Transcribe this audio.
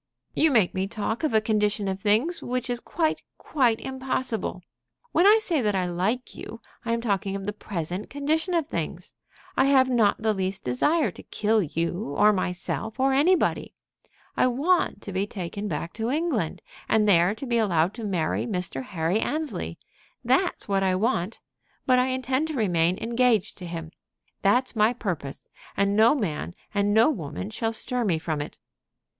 "You make me talk of a condition of things which is quite, quite impossible. When I say that I like you, I am talking of the present condition of things. I have not the least desire to kill you, or myself, or anybody. I want to be taken back to England, and there to be allowed to marry Mr. Henry Annesley. That's what I want. But I intend to remain engaged to him. That's my purpose, and no man and no woman shall stir me from it."